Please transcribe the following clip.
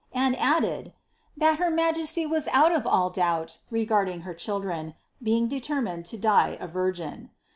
And added, ^ that her majesty was out 1 doubi regarding her children, being determined to die a virgin.'